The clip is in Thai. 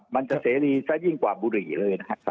มันจะเสรีซะยิ่งกว่าบุหรี่เลยนะครับ